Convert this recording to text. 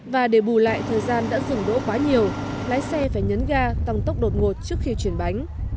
và để bù lại thời gian đã dừng đỗ quá nhiều lái xe phải nhấn ga tăng tốc đột ngột trước khi chuyển bánh